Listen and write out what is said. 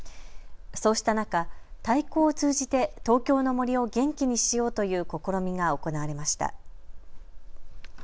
そうした中、太鼓を通じて東京の森を元気にしようという試みが行われました。